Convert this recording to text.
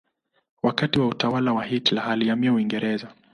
Wakati wa utawala wa Hitler alihamia Uingereza.